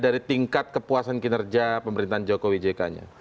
dari tingkat kepuasan kinerja pemerintahan jokowi jk nya